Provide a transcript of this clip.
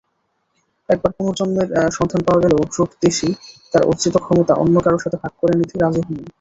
একবার পুনর্জন্মের সন্ধান পাওয়া গেলেও, ড্রুক দেশি তার অর্জিত ক্ষমতা অন্য কারো সাথে ভাগ করে নিতে রাজি হননি।